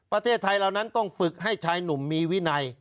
ประเทศไทยเหล่านั้นต้องฝึกให้ชายหนุ่มมีวินัย